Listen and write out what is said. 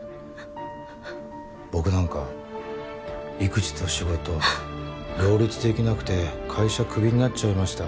僕なんか育児と仕事両立できなくて会社クビになっちゃいました。